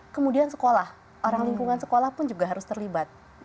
kemudian sekolah orang lingkungan sekolah pun juga harus terlibat